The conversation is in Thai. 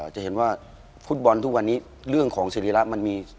จะเห็นว่าฟุตบอลทุกวันนี้เรื่องของเสรีระมันมี